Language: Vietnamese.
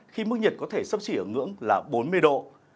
khi mức nhiệt có thể sấp xỉ ở ngưỡng là bốn mươi độ